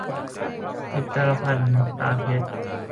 ผลิตภัณฑ์ตราเพชร